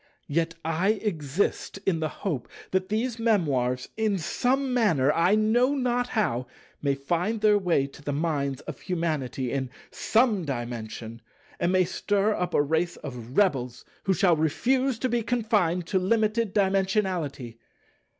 Yet I existing the hope that these memoirs, in some manner, I know not how, may find their way to the minds of humanity in Some Dimension, and may stir up a race of rebels who shall refuse to be confined to limited Dimensionality.